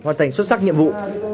hoàn thành xuất sắc nhiệm vụ